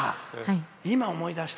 今、思い出した。